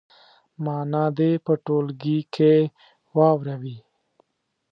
معنا دې په ټولګي کې واوروي.